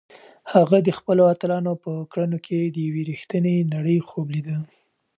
هغه د خپلو اتلانو په کړنو کې د یوې رښتیانۍ نړۍ خوب لیده.